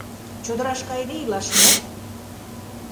Чодыраш кайыде илаш мо?